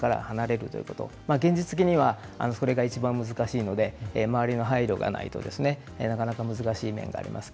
現実的にはそれがいちばん難しいので周りの配慮がないとなかなか難しい面があります。